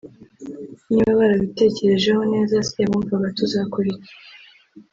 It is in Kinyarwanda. Niba barabitekerejeho neza se bumvaga tuzakora iki